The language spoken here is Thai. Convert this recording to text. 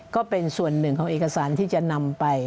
ก็เป็นส่วนหนึ่งของเอกสารที่จะนำไป